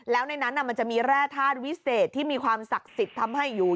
แล้วในนั้นมันจะมีแร่ธาตุวิเศษที่มีความศักดิ์สิทธิ์ทำให้อยู่